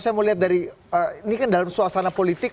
saya mau lihat dari ini kan dalam suasana politik